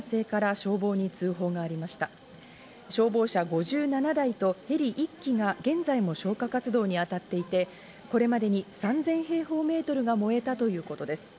消防車５７台とヘリ１機が現在も消火活動にあたっていて、これまでに３０００平方メートルが燃えたということです。